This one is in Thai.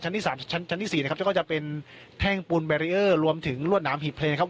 ชั้นที่สามชั้นชั้นที่สี่นะครับแล้วก็จะเป็นแท่งปูนลวดน้ำหิบเพลงนะครับ